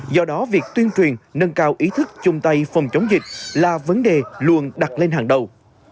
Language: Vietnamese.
do đó việc tuyên truyền nâng cao ý thức chung tay phòng chống dịch là vấn đề luôn đặt lên hàng đầu